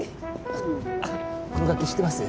この楽器知ってます？